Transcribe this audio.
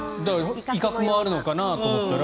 威嚇もあるのかなと思ったら。